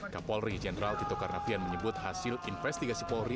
kapolri jenderal tito karnavian menyebut hasil investigasi polri